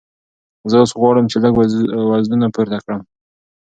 زه اوس غواړم چې لږ وزنونه پورته کړم.